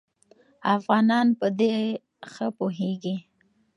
افغانان په دې ښه پوهېږي.